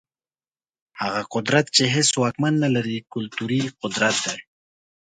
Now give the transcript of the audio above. هغه قدرت چي هيڅ واکمن نلري، کلتوري قدرت دی.